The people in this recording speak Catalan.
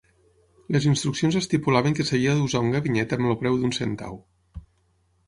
Les instruccions estipulaven que s"havia d"usar un ganivet amb el "preu d"un centau".